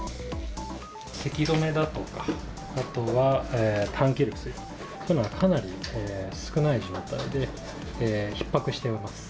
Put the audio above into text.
せき止めだとか、あとは、たん切りの薬、こういうのがかなり少ない状態でひっ迫しています。